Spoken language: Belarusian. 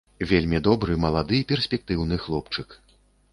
Вельмі добры, малады, перспектыўны хлопчык.